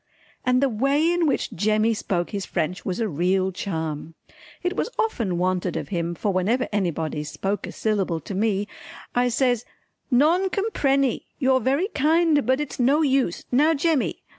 And the way in which Jemmy spoke his French was a real charm. It was often wanted of him, for whenever anybody spoke a syllable to me I says "Non comprenny, you're very kind, but it's no use Now Jemmy!"